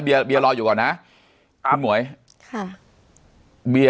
เบียรออยู่ก่อนนะคุณหมวย